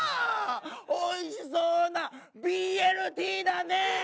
おいしそうなＢＬＴだねえ！